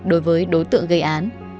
đối với đối tượng gây án